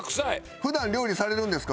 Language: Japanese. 普段料理されるんですか？